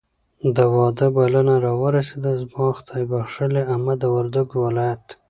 د واده بلنه راورسېده. زما خدایبښلې عمه د وردګو ولایت